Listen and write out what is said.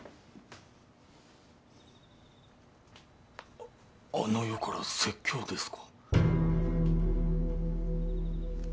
ああの世から説教ですか？